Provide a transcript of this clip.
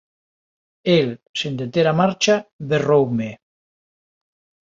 El, sen deter a marcha, berroume: